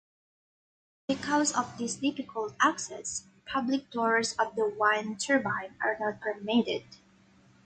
Because of this difficult access, public tours of the wind turbine are not permitted.